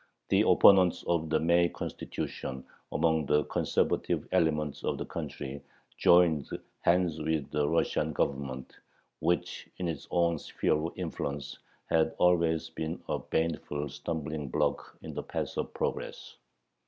The opponents of the May Constitution among the conservative elements of the country joined hands with the Russian Government, which in its own sphere of influence had always been a baneful stumbling block in the path of progress.